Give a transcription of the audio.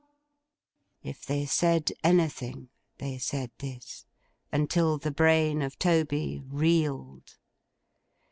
If they said anything they said this, until the brain of Toby reeled.